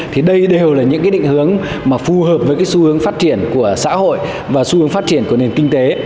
thì đây đều là những cái định hướng mà phù hợp với cái xu hướng phát triển của xã hội và xu hướng phát triển của nền kinh tế